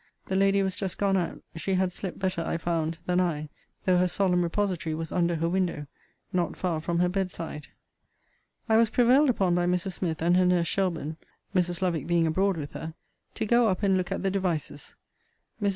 The lady was just gone out: she had slept better, I found, than I, though her solemn repository was under her window, not far from her bed side. I was prevailed upon by Mrs. Smith and her nurse Shelburne (Mrs. Lovick being abroad with her) to go up and look at the devices. Mrs.